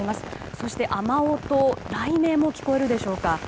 そして雨音、雷鳴も聞こえるでしょうか。